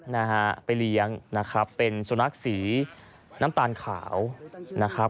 นะฮะไปเลี้ยงนะครับเป็นสุนัขสีน้ำตาลขาวนะครับ